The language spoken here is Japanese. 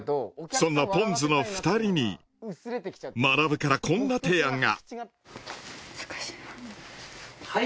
そんなポンズの２人にまなぶからこんな提案が。